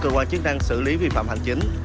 qua chức năng xử lý vi phạm hành chính